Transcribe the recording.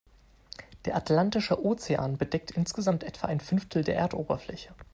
Der Atlantische Ozean bedeckt insgesamt etwa ein Fünftel der Erdoberfläche.